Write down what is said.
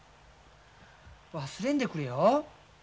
忘れんでくれよ。